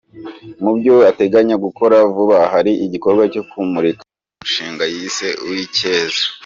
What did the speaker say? Mu byo ateganya gukora vuba hari igikorwa cyo kumurika umushinga yise "Uwicyeza".